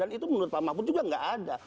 dan itu menurut pak mahfud juga nggak ada